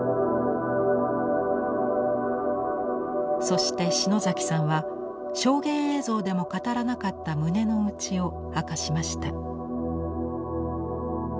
そして篠崎さんは証言映像でも語らなかった胸の内を明かしました。